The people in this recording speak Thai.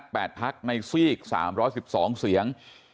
แปดพรรคในซีด๓๑๒เสียง